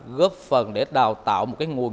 góp phần để đào tạo một nguồn